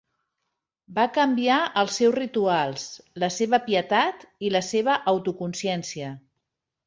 Va canviar els seus rituals, la seva pietat i la seva autoconsciència.